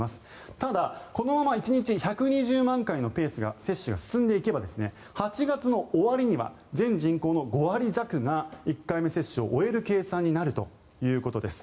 ただ、このまま１日１２０万回の接種が進んでいけば８月の終わりには全人口の５割弱が１回目の接種を終える計算になるということです。